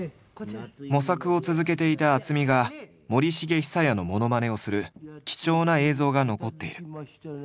模索を続けていた渥美が森繁久彌のモノマネをする貴重な映像が残っている。